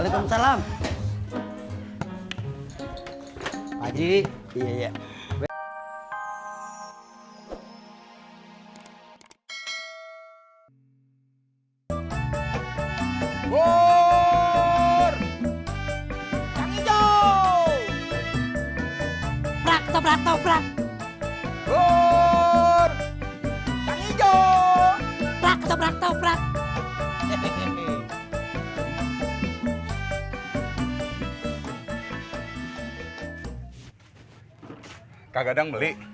kak gadang beli